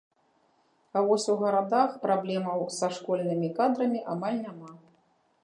А ў вось у гарадах праблемаў са школьнымі кадрамі амаль няма.